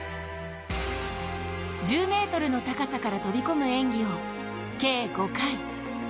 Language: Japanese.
１０ｍの高さから飛び込む演技を計５回。